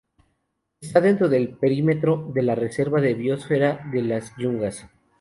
Está dentro del perímetro de la reserva de biosfera de las Yungas.